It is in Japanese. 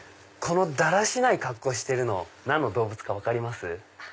このだらしない格好してるの何の動物か分かります？